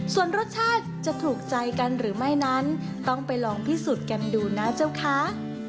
ส่วนรสชาติจะถูกใจกันหรือไม่นั้นต้องไปลองพิสูจน์กันดูนะเจ้าคะ